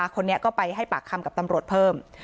คนนี้ก็ไปให้ปากคำกับตำรวจเพิ่ม